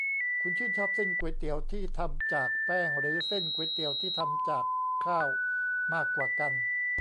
คุณชื่นชอบเส้นก๋วยเตี๋ยวที่ทำจากแป้งหรือเส้นก๋วยเตี๋ยวที่ทำจากข้าวมากกว่ากัน ?